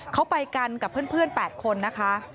เขาไปกันกับเพื่อน๘คนนะคะ